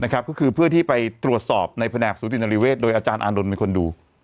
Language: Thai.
ก็คือเพื่อที่ไปตรวจสอบในแผนกสูตินริเวศโดยอาจารย์อานนท์เป็นคนดู